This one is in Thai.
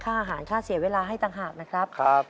ค่าอาหารค่าเสียเวลาให้ต่างหากนะครับ